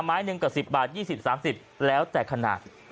หนึ่งกว่า๑๐บาท๒๐๓๐แล้วแต่ขนาด